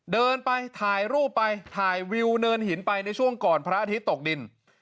เดินไปถ่ายรูปไปถ่ายวิวเนินหินไปในช่วงก่อนพระอาทิตย์ตกดิน